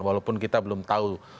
walaupun kita belum tahu